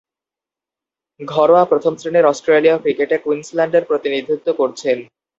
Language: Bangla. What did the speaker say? ঘরোয়া প্রথম-শ্রেণীর অস্ট্রেলীয় ক্রিকেটে কুইন্সল্যান্ডের প্রতিনিধিত্ব করছেন।